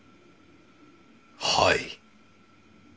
はい。